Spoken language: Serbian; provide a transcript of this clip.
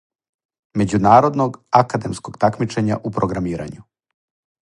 Међународног академског такмичења у програмирању.